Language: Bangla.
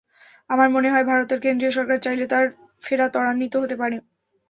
আমার মনে হয়, ভারতের কেন্দ্রীয় সরকার চাইলে তাঁর ফেরা ত্বরান্বিত হতে পারে।